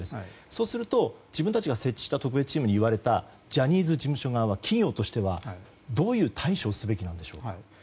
そうすると、自分たちが設置した特別チームに言われたジャニーズ事務所側は企業としてはどういう対処をすべきなんでしょうか。